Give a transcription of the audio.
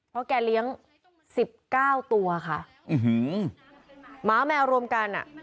เพราะแกเลี้ยงสิบเก้าตัวค่ะหมาแมวรวมกันอ่ะ